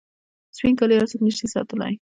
سپین کالي هر څوک نسي ساتلای.